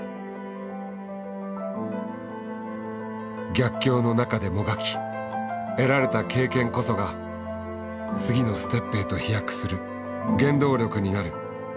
逆境の中でもがき得られた経験こそが次のステップへと飛躍する原動力になる。